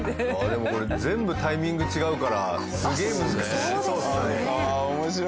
でもこれ全部タイミング違うからすげえ難しい。